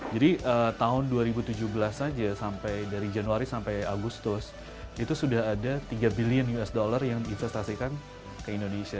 jadi tahun dua ribu tujuh belas saja sampai dari januari sampai agustus itu sudah ada tiga bilion usd yang investasikan ke indonesia